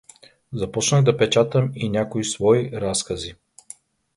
Започнах да печатам и някои свои разкази.